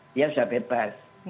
dia sudah bebas